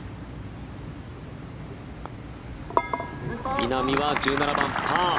稲見は１７番、パー。